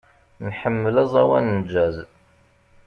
Nḥemmel aẓawan n jazz.